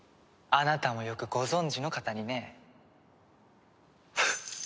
あなたもよくご存じの方にね。